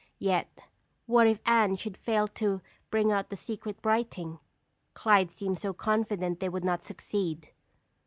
Yet what if Anne should fail to bring out the secret writing? Clyde seemed so confident they would not succeed.